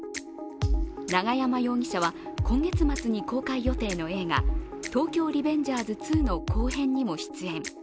永山容疑者は今月末に公開予定の映画「東京リベンジャーズ２」の後編にも出演。